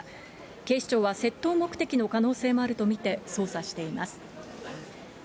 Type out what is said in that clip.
警視庁は窃盗目的の可能性もあると見て、捜査しています。